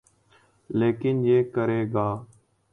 لیکن یہ کرے گا۔